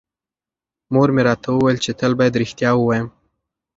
مور مې راته وویل چې تل بايد رښتیا ووایم.